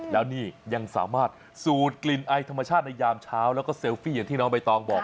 แล้วนี่ยังสามารถสูดกลิ่นไอธรรมชาติในยามเช้าแล้วก็เซลฟี่อย่างที่น้องใบตองบอก